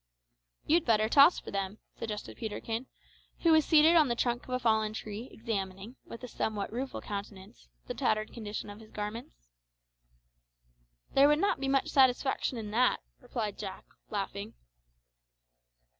"You'd better toss for them," suggested Peterkin, who was seated on the trunk of a fallen tree, examining, with a somewhat rueful countenance, the tattered condition of his garments. "There would not be much satisfaction in that," replied Jack, laughing.